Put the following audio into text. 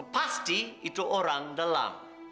pasti itu orang dalam